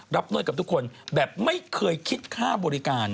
นวดกับทุกคนแบบไม่เคยคิดค่าบริการ